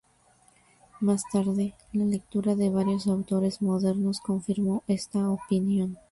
Más tarde, la lectura de varios autores modernos confirmó esta opinión.